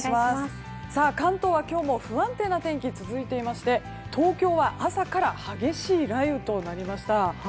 関東は今日も不安定な天気が続いていまして東京は朝から激しい雷雨となりました。